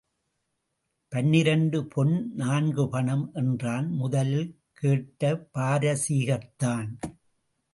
பனிரெண்டு பொன் நான்கு பணம் என்றான் முதலில் கேட்ட பாரசீகத்தான்.